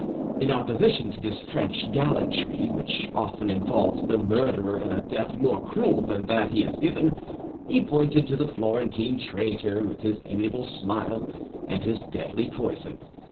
In opposition to this French gallantry, which often involves the murderer in a death more cruel than that he has given, he pointed to the Florentine traitor with his amiable smile and his deadly poison.